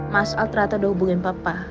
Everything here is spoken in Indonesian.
mas al terata udah hubungin papa